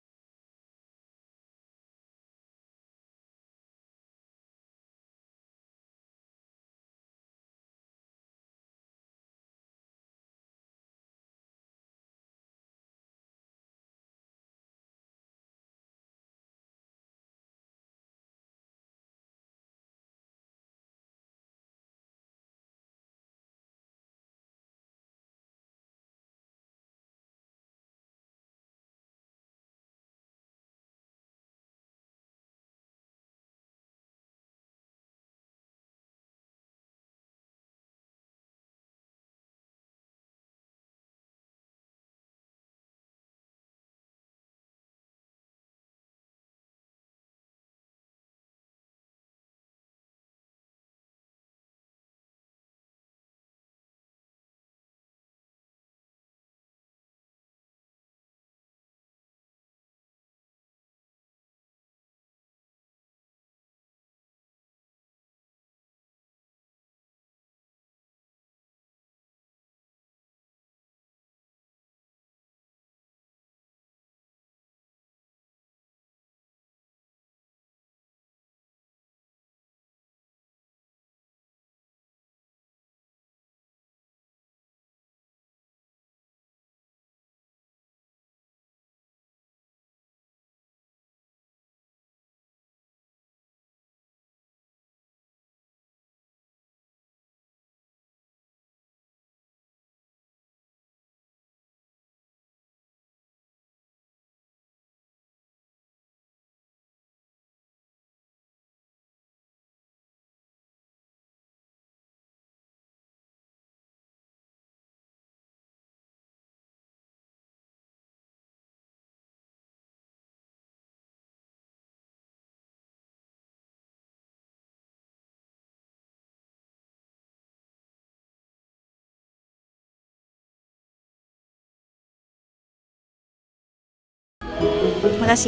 terima kasih ya